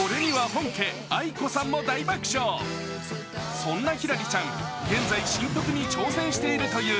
そんなひらりちゃん、現在、新作に挑戦しているという。